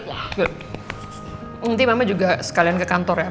mungkin mama juga sekalian ke kantor ya